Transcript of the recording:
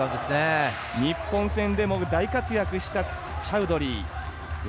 日本戦でも大活躍したチャウドリー。